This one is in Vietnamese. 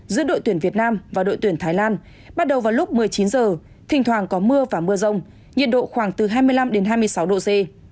giữa đội tuyển việt nam và đội tuyển thái lan bắt đầu vào lúc một mươi chín h thỉnh thoảng có mưa và mưa rông nhiệt độ khoảng từ hai mươi năm đến hai mươi sáu độ c